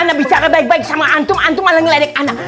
anda bicara baik baik sama antum antum alami lelek anda